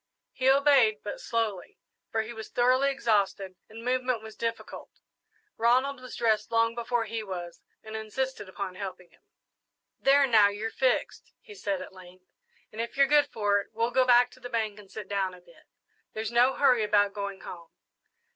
He obeyed, but slowly, for he was thoroughly exhausted and movement was difficult. Ronald was dressed long before he was, and insisted upon helping him. "There, now you're fixed," he said, at length; "and if you're good for it, we'll go back to the bank and sit down a bit. There's no hurry about going home."